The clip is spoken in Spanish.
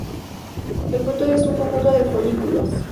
El fruto es un conjunto de folículos.